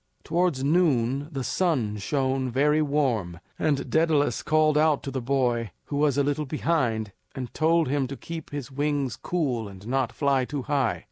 Towards noon the sun shone very warm, and Daedalus called out to the boy who was a little behind and told him to keep his wings cool and not fly too high.